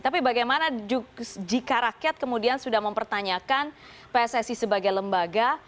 tapi bagaimana jika rakyat kemudian sudah mempertanyakan pssi sebagai lembaga